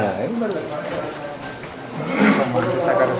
hai nah ini auf